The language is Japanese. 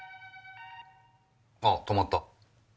あ止まった。